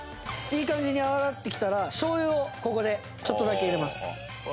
いい感じに泡立ってきたら醤油をここでちょっとだけ入れます。